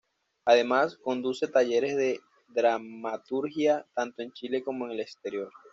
Además, conduce talleres de dramaturgia tanto en Chile como en el exterior.